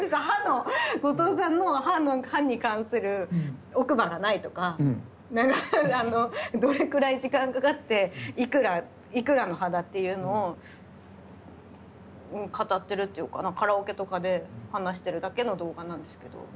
歯の後藤さんの歯に関する奥歯がないとかどれくらい時間かかっていくらの歯だっていうのを語ってるっていうかカラオケとかで話してるだけの動画なんですけど。